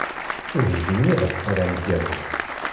Ur yelli iɣef ara neggami.